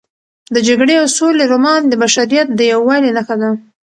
د جګړې او سولې رومان د بشریت د یووالي نښه ده.